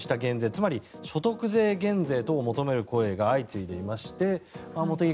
つまり所得税減税等を求める声が相次いでいまして茂木